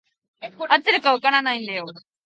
合ってるか分からないんだよ。